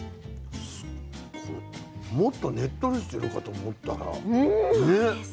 もっとねっとりしてるかと思ったらね